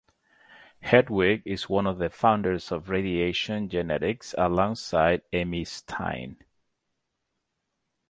Hertwig is one of the founders of radiation genetics alongside Emmy Stein.